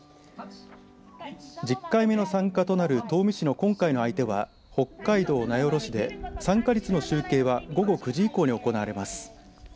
１０回目の参加となる東御市の今回の相手は北海道名寄市で参加率の集計は午後９時以降に行われます。